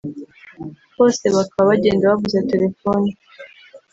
hose bakaba bagenda bavuza telefoni